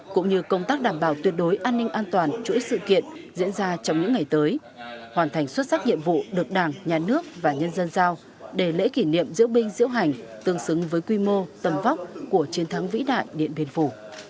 cũng như công tác đảm bảo tuyệt đối an ninh an toàn chuỗi sự kiện diễn ra trong những ngày tới hoàn thành xuất sắc nhiệm vụ được đảng nhà nước và nhân dân giao để lễ kỷ niệm diễu binh diễu hành tương xứng với quy mô tầm vóc của chiến thắng vĩ đại điện biên phủ